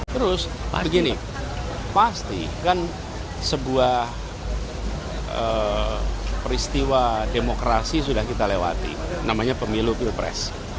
terus begini pasti kan sebuah peristiwa demokrasi sudah kita lewati namanya pemilu pilpres